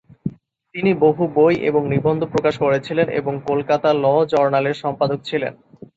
তিনি বহু বই এবং নিবন্ধ প্রকাশ করেছিলেন এবং কলকাতা ল জার্নালের সম্পাদক ছিলেন।